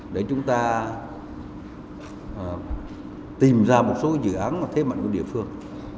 để chúng ta tìm ra một số dự án thế mạnh của địa phương